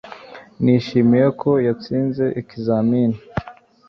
Nishimiye ko yatsinze ikizamini